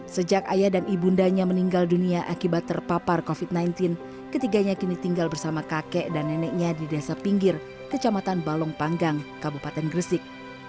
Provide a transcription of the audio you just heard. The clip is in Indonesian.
sejak ayah dan ibu undanya meninggal dunia akibat terpapar covid sembilan belas ketiganya kini tinggal bersama kakek dan neneknya di desa pinggir kecamatan balong panggang kabupaten gresik